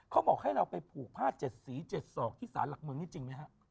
เขาบอกให้เราไปผูก๕๗๔๗๒ภิษฐานหลักเมืองจริงไหมครับ